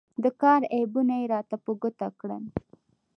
د کار عیبونه یې را په ګوته کړل.